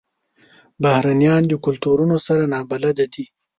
بهرنیان د کلتورونو سره نابلده دي.